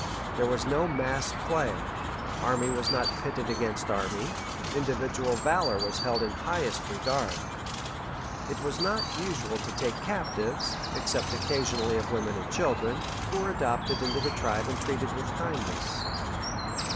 There was no mass play; army was not pitted against army; individual valor was held in highest regard. It was not usual to take captives, except occasionally of women and children, who were adopted into the tribe and treated with kindness.